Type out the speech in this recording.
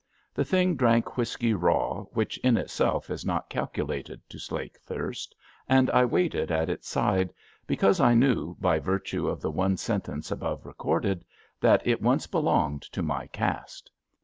The Thing drank whisky raw, which in itself is not calculated to slake thirst, and I waited at its side because I knew, by virtue of the one sentence above recorded, that it once belonged to my caste.